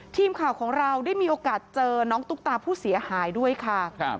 ทีมข่าวของเราได้มีโอกาสเจอน้องตุ๊กตาผู้เสียหายด้วยค่ะ